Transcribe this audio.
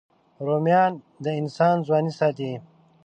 رومیان د انسان ځواني ساتي